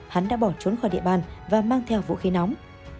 hắn đã bỏ trốn khỏi địa bàn và mang theo vũ khí nóng